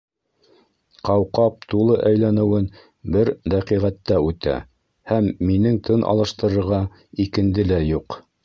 Ҡауҡаб тулы әйләнеүен бер дәҡиғәттә үтә, һәм минең тын алыштырырға икенде лә юҡ.